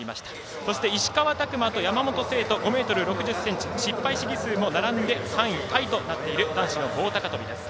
そして石川拓磨と山本聖途５ｍ６０ｃｍ失敗試技数も並んで３位タイとなっている男子の棒高跳びです。